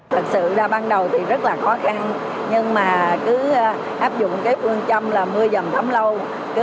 thật sự ra ban đầu thì rất là khó khăn nhưng mà cứ áp dụng cái phương châm là mưa dầm thấm lâu